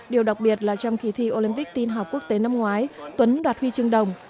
điều đặc biệt là trong khi thi olympic tiên học quốc tế năm ngoái tuấn đạt huy chương đồng